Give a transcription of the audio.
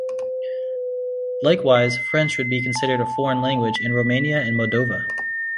Likewise, French would be considered a foreign language in Romania and Moldova.